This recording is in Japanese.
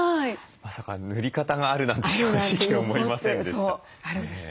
まさか塗り方があるなんて正直思いませんでした。